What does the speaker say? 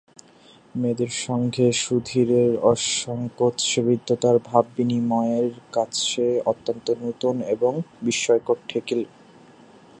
মেয়েদের সঙ্গে সুধীরের অসংকোচ হৃদ্যতার ভাব বিনিয়ের কাছে অত্যন্ত নূতন এবং বিস্ময়কর ঠেকিল।